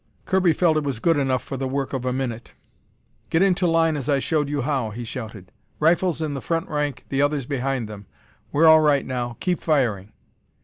Kirby felt it was good enough for the work of a minute. "Get into line as I showed you how!" he shouted. "Rifles in the front rank, the others behind them. We're all right now! Keep firing!"